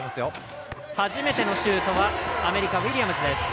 初めてのシュートはアメリカ、ウィリアムズです。